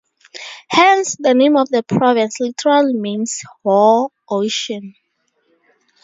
Hence the name of the province literally means "war ocean".